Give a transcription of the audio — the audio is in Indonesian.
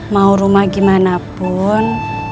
mau rumah gimana pun